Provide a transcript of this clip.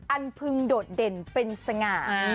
พึงโดดเด่นเป็นสง่า